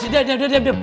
tidak diam diam